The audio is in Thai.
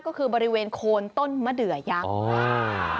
ก็คือบริเวณโคนต้นมะเดือยักษ์